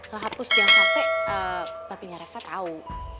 lo hapus jangan sampe hp nya reva tau